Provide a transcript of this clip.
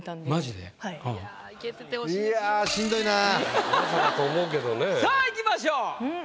いやさあいきましょう。